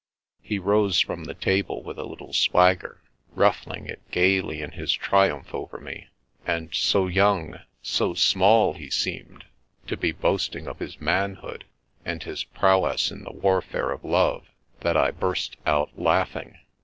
He rose from the table with a little swagger, ruf fling it gaily in his triumph over me; and so young, so small he seemed, to be boasting of his manhood and his prowess in the warfare of love, that I burst out laughing.